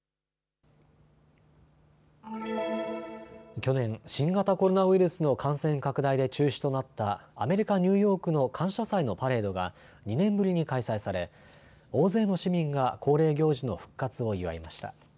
去年、新型コロナウイルスの感染拡大で中止となったアメリカ・ニューヨークの感謝祭のパレードが２年ぶりに開催され大勢の市民が恒例行事の復活を祝いました。